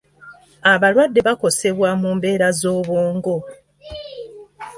Abalwadde bakosebwa mu mbeera z'obwongo.